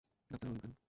Doctor হলেন কেন?